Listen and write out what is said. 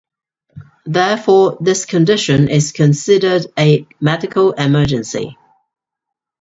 Therefore, this condition is considered a medical emergency.